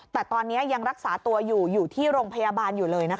แต่ตอนนี้ยังรักษาตัวอยู่อยู่ที่โรงพยาบาลอยู่เลยนะคะ